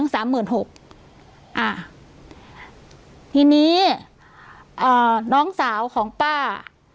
สามหมื่นหกอ่าทีนี้อ่าน้องสาวของป้า